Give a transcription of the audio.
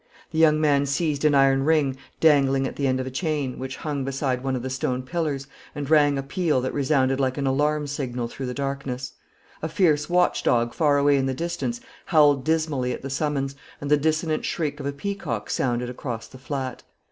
The young man seized an iron ring, dangling at the end of a chain, which hung beside one of the stone pillars, and rang a peal that resounded like an alarm signal through the darkness. A fierce watchdog far away in the distance howled dismally at the summons, and the dissonant shriek of a peacock sounded across the flat.